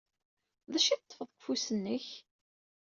D acu ay teḍḍfeḍ deg ufus-nnek?